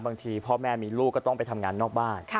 บางทีพ่อแม่มีลูกก็ต้องไปทำงานนอกบ้าน